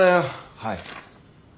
はい。